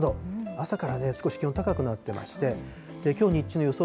朝から少し気温高くなっていまして、きょう日中の予想